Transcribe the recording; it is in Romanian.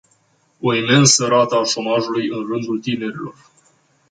O imensă rată a șomajului în rândul tinerilor!